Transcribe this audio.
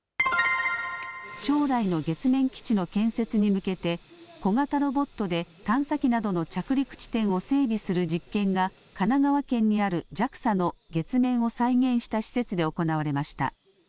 将来の月面基地の建設に向けて小型ロボットで探査機などの着陸地点を整備する実験が神奈川県にあるＪＡＸＡの月面を再現した施設で行われました。